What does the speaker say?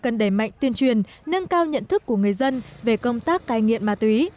cần đẩy mạnh tuyên truyền nâng cao nhận thức của người dân về công tác cai nghiện ma túy